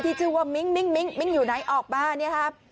ชื่อว่ามิ้งมิ้งมิ้งอยู่ไหนออกมาเนี่ยครับ